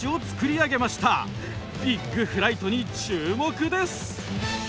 ビッグフライトに注目です！